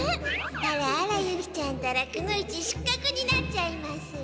あらあらユキちゃんたらくの一しっかくになっちゃいます。